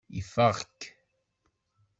Ifeɣ-k.